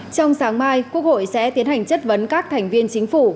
trong sáng mai quốc hội sẽ tiến hành chất vấn các thành viên chính phủ